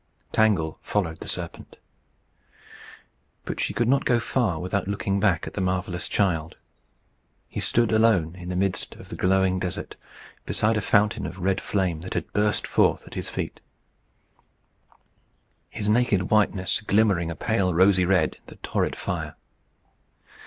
Tangle followed the serpent. But she could not go far without looking back at the marvellous child. He stood alone in the midst of the glowing desert, beside a fountain of red flame that had burst forth at his feet, his naked whiteness glimmering a pale rosy red in the torrid fire.